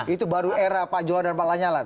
itu baru era pak johara dan pak nyala